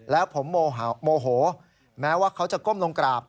แล้วผมโมโหแม้ว่าเขาจะก้มลงกราบ